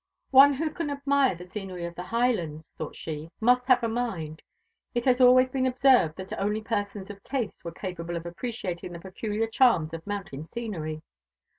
"One who can admire the scenery of the Highlands," thought she, "must have a mind. It has always been observed that only persons of taste were capable of appreciating the peculiar charms of mountain scenery.